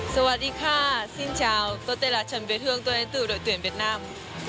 สวัสดีค่ะสิ้นเช้าโตเตรลาชันเวียดเฮืองตัวเล่นตือโดยเตือนเวียดนาม